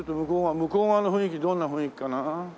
向こう側の雰囲気どんな雰囲気かな？